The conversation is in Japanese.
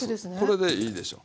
これでいいでしょ。